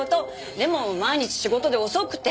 でも毎日仕事で遅くて。